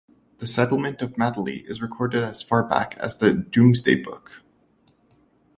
The settlement of Madeley is recorded as far back as the Domesday Book.